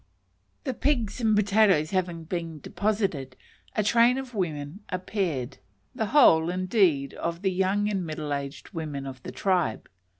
The pigs and potatoes having been deposited, a train of women appeared the whole, indeed, of the young and middle aged women of the tribe.